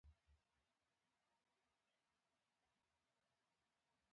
زه هره ورځ لوست کوم.